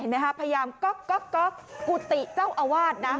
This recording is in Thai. เห็นไหมฮะพยายามก๊อกก๊อกก๊อกกุติเจ้าอาวาสน่ะ